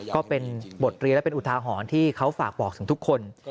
ก็เป็นบทเรียนและเป็นอุทาหรณ์ที่เขาฝากบอกถึงทุกคน